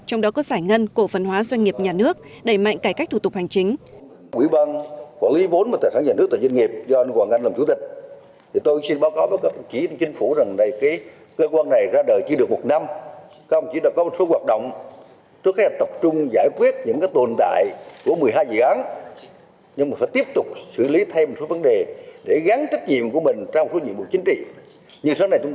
trong đó có giải ngân cổ phần hóa doanh nghiệp nhà nước đẩy mạnh cải cách thủ tục hành chính